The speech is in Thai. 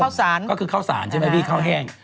ข้าวสารก็คือข้าวสารใช่ไหมพี่ข้าวแห้ง